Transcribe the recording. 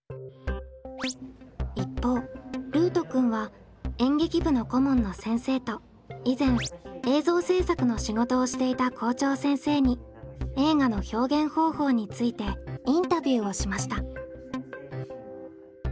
一方ルートくんは演劇部の顧問の先生と以前映像制作の仕事をしていた校長先生に映画の表現方法についてインタビューをしました。